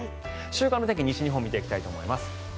週間の天気、西日本を見ていきたいと思います。